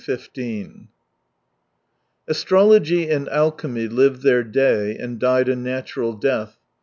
IS Astrology and alchemy lived their day and died a natural death.